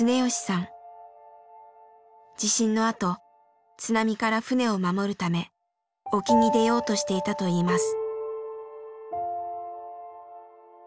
地震のあと津波から船を守るため沖に出ようとしていたといいます。